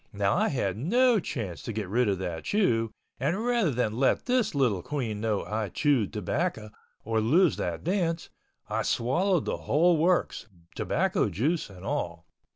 Now I had no chance to get rid of that chew and rather than let this little queen know I chewed tobacco or lose that dance, I swallowed the whole works, tobacco juice and all.